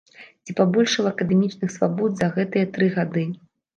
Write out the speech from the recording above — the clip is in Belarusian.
Ці пабольшала акадэмічных свабод за гэтыя тры гады.